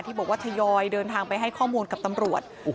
บอกว่าทยอยเดินทางไปให้ข้อมูลกับตำรวจ